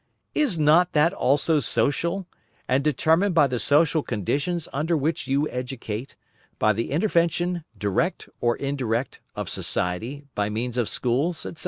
Is not that also social, and determined by the social conditions under which you educate, by the intervention, direct or indirect, of society, by means of schools, etc.?